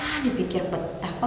hah dipikir betapa